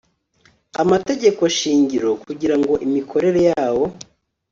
amategekoshingiro kugira ngo imikorere yawo